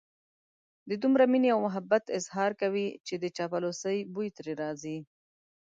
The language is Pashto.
د دومره مينې او محبت اظهار کوي چې د چاپلوسۍ بوی ترې راځي.